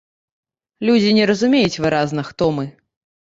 Людзі не разумеюць выразна, хто мы.